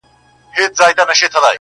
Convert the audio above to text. ما په لفظو کي بند پر بند ونغاړه,